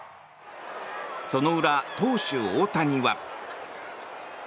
その裏、投手・大谷は。